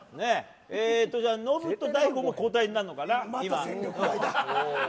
ノブと大悟も交代になるのかな。